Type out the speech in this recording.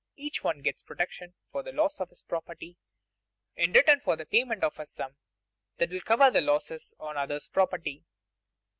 Each one gets protection for the loss of his property in return for the payment of a sum that will cover the losses on others' property.